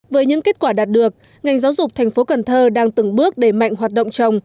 với những kết quả đạt được ngành giáo dục thành phố cần thơ đang từng bước đẩy mạnh hoạt động chồng